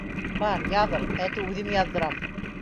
Бар, яҙыл, әтү үҙем яҙҙырам.